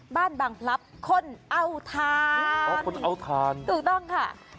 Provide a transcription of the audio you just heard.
บ้านบังพลับคนเอาฐานตรูต้องค่ะอ๋อคนเอาฐาน